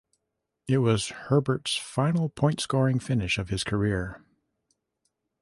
It was Herbert's final point-scoring finish of his career.